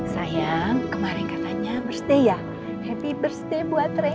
sayang kemarin katanya berdia happy birthday buat reyna